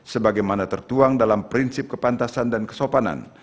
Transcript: sebagaimana tertuang dalam prinsip kepantasan dan kesopanan